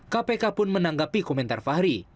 kpk pun menanggapi komentar fahri